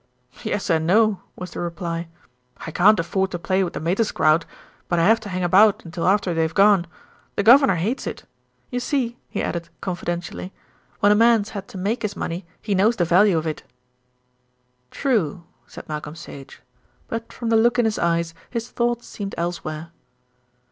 "Yes and no," was the reply. "I can't afford to play with the Mater's crowd; but I have to hang about until after they've gone. The governor hates it. You see," he added confidentially, "when a man's had to make his money, he knows the value of it." "True," said Malcolm Sage, but from the look in his eyes his thoughts seemed elsewhere.